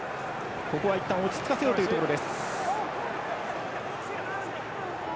いったん落ち着かせようというところ。